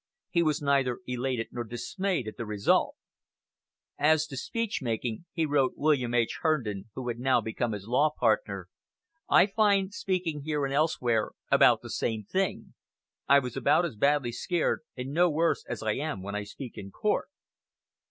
He was neither elated nor dismayed at the result. "As to speech making," he wrote William H. Herndon, who had now become his law partner, "I find speaking here and elsewhere about the same thing. I was about as badly scared, and no worse, as I am when I speak in court."